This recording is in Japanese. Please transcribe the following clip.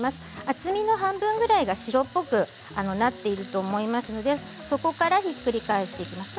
厚みの半分くらいが白っぽくなっていると思いますのでそこからひっくり返していきます。